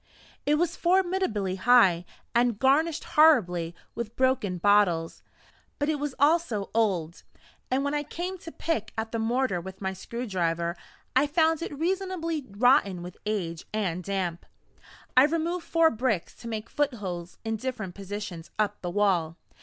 It was formidably high, and garnished horribly with broken bottles; but it was also old, and when I came to pick at the mortar with my screw driver, I found it reasonably rotten with age and damp. I removed four bricks to make footholes in different positions up the wall.